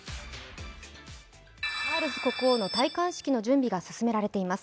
チャールズ国王の戴冠式の準備が進められています。